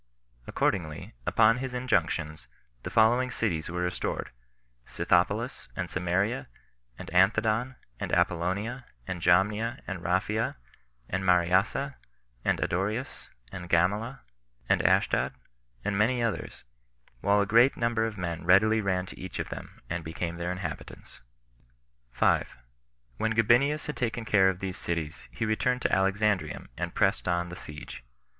Accordingly, upon his injunctions, the following cities were restored: Scythopolis, and Samaria, and Anthedon, and Apollonia, and Jamnia, and Raphia, and Mariassa, and Adoreus, and Gamala, and Ashdod, and many others; while a great number of men readily ran to each of them, and became their inhabitants. 5. When Gabinius had taken care of these cities, he returned to Alexandrium, and pressed on the siege.